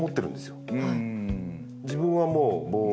自分はもうえっ？